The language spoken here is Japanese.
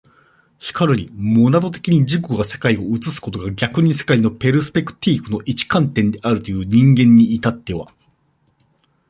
然るにモナド的に自己が世界を映すことが逆に世界のペルスペクティーフの一観点であるという人間に至っては、